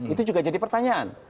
itu juga jadi pertanyaan